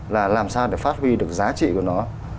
là làm sao để phát huy được giá trị của nó